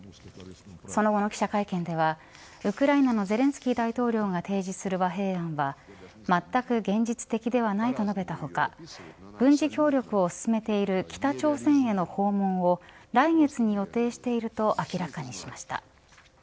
その後の記者会見ではウクライナのゼレンスキー大統領が提示する和平案はまったく現実的ではないと述べた他軍事協力を進めている北朝鮮への訪問を来月に予定していると明らかにしました。